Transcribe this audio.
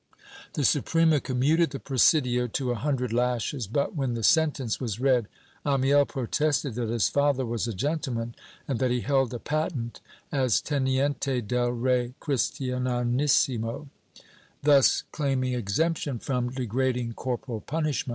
The Suprema commuted the presidio to a hundred lashes but, when the sentence was read, Amiel protested that his father was a gentleman and that he held a patent as 'Heniente del Rey Christianisimo," thus claiming exemption from degrading corporal punishment.